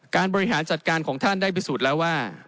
บริหารจัดการของท่านได้พิสูจน์แล้วว่า